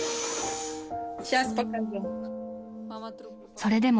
［それでも］